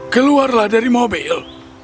keluarlah dari mobil